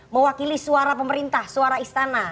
mewakili suara pemerintah suara istana